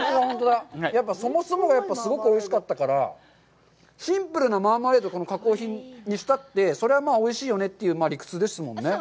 やっぱりそもそもやっぱりすごくおいしかったから、シンプルなマーマレード、加工品にしたって、それはまあおいしいよねという理屈ですもんね。